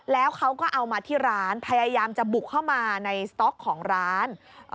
แล้วเขาก็เอามาที่ร้านพยายามจะบุกเข้ามาในสต๊อกของร้าน